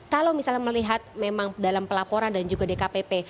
kalau misalnya melihat memang dalam pelaporan dan juga di dalam sidang kode otik yang tersebut